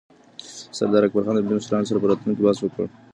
سردار اکبرخان د ملي مشرانو سره پر راتلونکي بحث وکړ.